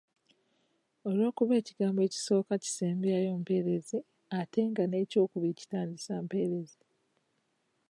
Olw’okuba ekigambo ekisooka kisembyayo mpeerezi ate nga n’ekyokubiri kitandisa mpeerezi.